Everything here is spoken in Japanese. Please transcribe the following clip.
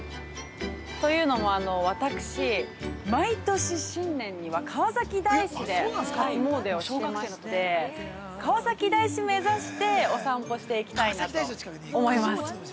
というのも、私、毎年新年には川崎大師で初詣をしてまして川崎大師目指してお散歩していきたいなと思います。